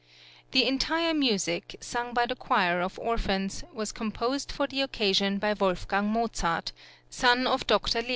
The entire music, sung by the choir of orphans, was composed for the occasion by Wolfgang Mozart, son of Dr. L.